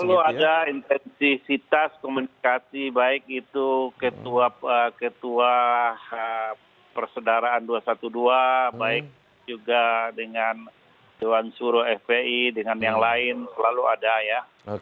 selalu ada intensitas komunikasi baik itu ketua persedaraan dua ratus dua belas baik juga dengan dewan suro fpi dengan yang lain selalu ada ya